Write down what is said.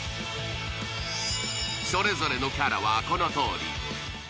それぞれのキャラはこのとおり。